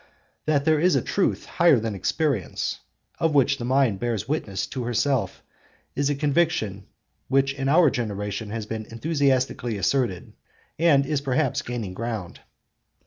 That there is a truth higher than experience, of which the mind bears witness to herself, is a conviction which in our own generation has been enthusiastically asserted, and is perhaps gaining ground.